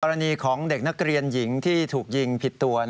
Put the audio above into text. รณีของเด็กนักเรียนหญิงที่ถูกยิงผิดตัว